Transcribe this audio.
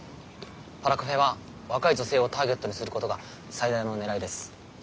パラカフェは若い女性をターゲットにすることが最大のねらいです。